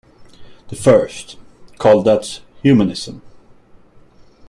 The first, called That's Humanism!